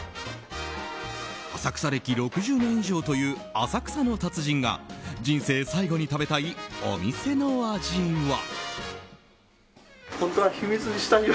浅草歴６０年以上という浅草の達人が人生最後に食べたいお店の味は。